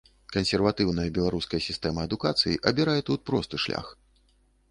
Кансерватыўная беларуская сістэма адукацыі абірае тут просты шлях.